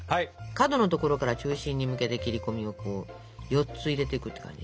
角の所から中心に向けて切り込みをこう４つ入れてくって感じ。